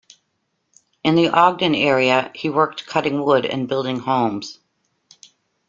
In the Ogden area, he worked cutting wood and building homes.